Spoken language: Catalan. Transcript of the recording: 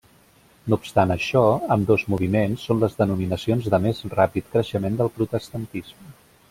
No obstant això, ambdós moviments són les denominacions de més ràpid creixement del protestantisme.